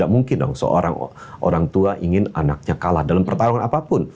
gak mungkin dong seorang orang tua ingin anaknya kalah dalam pertarungan apapun